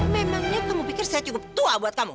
memangnya kamu pikir saya cukup tua buat kamu